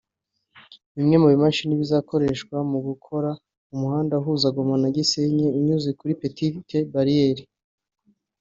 Bimwe mu bimashini bizakoreshwa mu gukora umuhanda uhuza Goma na Gisenyi unyuze kuri petite bariyeri